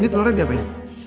ini telurnya diapain